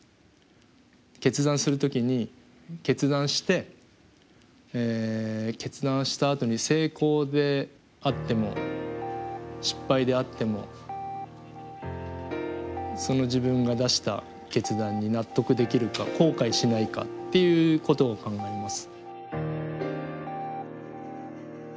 決断する時に決断して決断したあとに成功であっても失敗であってもその自分が出した決断に納得できるか後悔しないかっていうことを考えます。